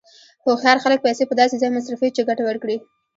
هوښیار خلک پیسې په داسې ځای مصرفوي چې ګټه ورکړي.